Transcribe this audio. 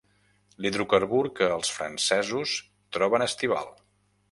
L'hidrocarbur que els francesos troben estival.